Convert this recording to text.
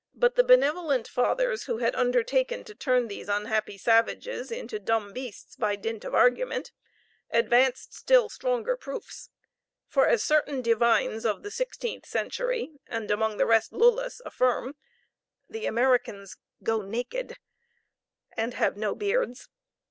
But the benevolent fathers, who had undertaken to turn these unhappy savages into dumb beasts by dint of argument, advanced still stronger proofs; for as certain divines of the sixteenth century, and among the rest Lullus, affirm, the Americans go naked, and have no beards!